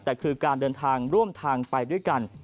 แต่คือการเดินทางร่วมทางไปด้วยกัน